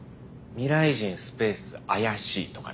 未来人スペース怪しいとかな。